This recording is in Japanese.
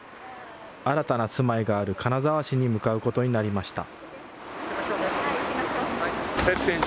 新たな住まいがある金沢市に向かうことになりました。